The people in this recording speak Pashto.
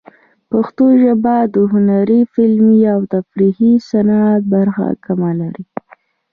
پښتو ژبه د هنري، فلمي، او تفریحي صنعت برخه کمه لري.